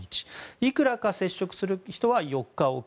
いくらか接触する人は４日おき。